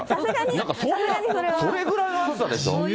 なんかそれぐらいの暑さでし